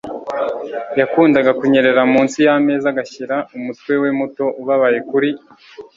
yakundaga kunyerera munsi yameza agashyira umutwe we muto ubabaye kuri